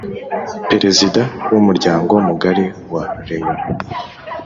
Perezida w’ Umuryango mugari wa Rayon